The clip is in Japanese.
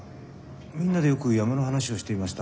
みんなでよく山の話をしていました。